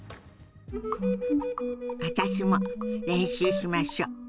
私も練習しましょ。